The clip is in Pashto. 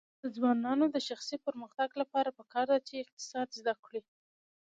د ځوانانو د شخصي پرمختګ لپاره پکار ده چې اقتصاد زده کړي.